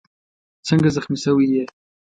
څنګه زخمي شوی یې؟